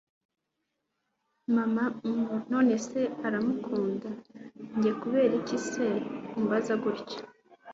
mama hhm! nonese uramukunda!? njye kuberiki se umbaza gutyo!